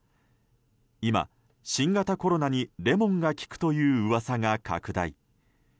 今、新型コロナにレモンが効くという噂が拡大。